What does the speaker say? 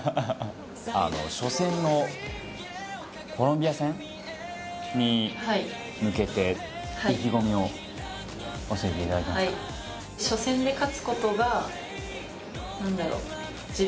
初戦のコロンビア戦に向けて、意気込みを教えていただけますか。